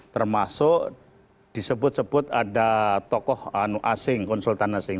termasuk disebut sebut ada tokoh asing konsultan asing